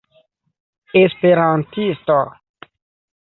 esperantisto